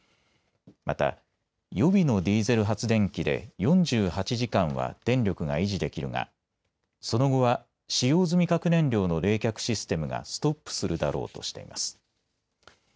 また、予備のディーゼル発電機で４８時間は電力が維持できるがその後は使用済み核燃料の冷却システムがストップするだろうとしています。